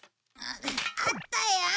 あったよ。